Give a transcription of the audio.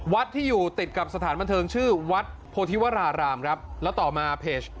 ที่อยู่ติดกับสถานบันเทิงชื่อวัดโพธิวรารามครับแล้วต่อมาเพจ